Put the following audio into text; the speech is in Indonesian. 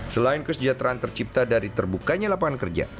selain kesejahteraan tercipta dari terbukanya lapangan kerja